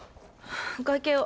お会計を。